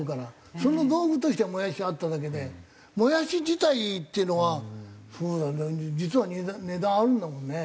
その道具としてもやしあっただけでもやし自体っていうのは実は値段あるんだもんね。